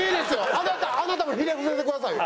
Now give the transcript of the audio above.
あなたあなたもひれ伏せてくださいよ。